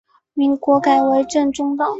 民国改为滇中道。